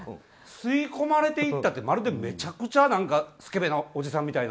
吸い込まれていったってまるでめちゃくちゃスケベなおじさんみたいな。